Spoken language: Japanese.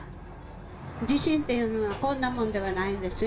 地震っていうのはこんなもんではないんですよ。